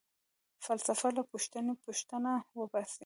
فلسفه له پوښتنې٬ پوښتنه وباسي.